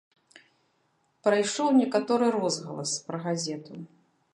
Прайшоў некаторы розгалас пра газету.